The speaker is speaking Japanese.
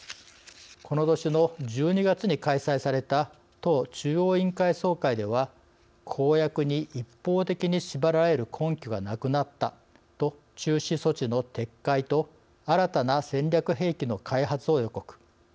この年の１２月に開催された党中央委員会総会では公約に一方的に縛られる根拠がなくなったと中止措置の撤回と新たな戦略兵器の開発を予告。